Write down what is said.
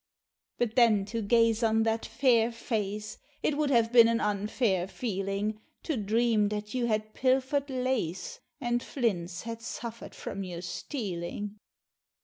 But then to gaze on that fair face It would have been an unfair feeling To dream that you had pilfered lace And Flint's had suffered from your stealing!